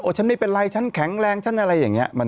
ฉันไม่เป็นไรฉันแข็งแรงฉันอะไรอย่างนี้